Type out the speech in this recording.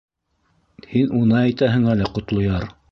— Һин уны әйтәһең әле, Ҡотлояр.